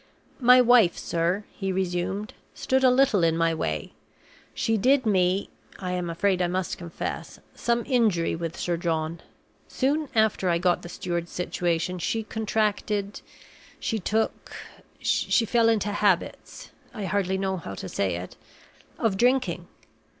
"My wife, sir," he resumed, "stood a little in my way; she did me (I am afraid I must confess) some injury with Sir John. Soon after I got the steward's situation, she contracted she took she fell into habits (I hardly know how to say it) of drinking.